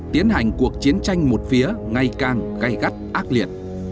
tiến hành cuộc chiến tranh một phía ngày càng gây gắt ác liệt